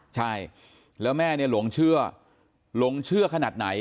ใช่แล้วแม่เนี่ยหลงเชื่อหลงเชื่อขนาดไหน